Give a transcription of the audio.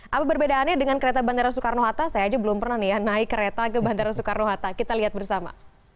apa perbedaannya dengan kereta bandara soekarno hatta saya aja belum pernah nih ya naik kereta ke bandara soekarno hatta kita lihat bersama